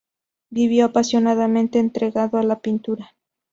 Vivió apasionadamente entregado a la pintura.